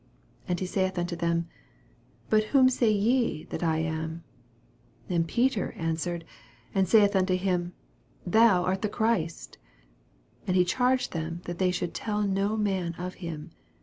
29 And he saith unto them, But whom saj ye that I am ? And Peter ausweretL and saith unto him, Thou art the Christ. 30 And he charged them that they should tell no man of him.